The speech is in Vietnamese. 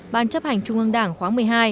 ban chấp hành trung ương đảng khóa một mươi hai